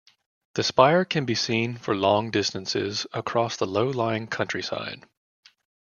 The spire can be seen for long distances across the low-lying countryside.